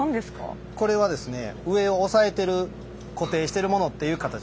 これはですね